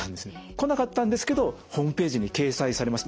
来なかったんですけどホームページに掲載されました。